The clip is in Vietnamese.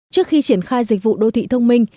trước khi triển khai dịch vụ đô thị thông minh